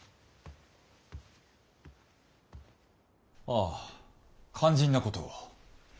あ肝心なことを。